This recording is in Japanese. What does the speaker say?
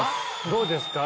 どうですか？